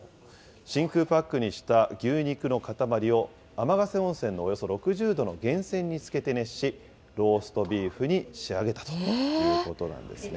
真空パックにした牛肉の塊を、天ヶ瀬温泉のおよそ６０度の源泉につけて熱し、ローストビーフに仕上げたということなんですね。